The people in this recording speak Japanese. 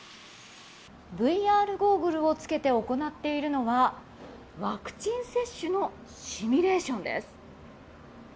ＶＲゴーグルを着けて行っているのは、ワクチン接種のシミュレーションです。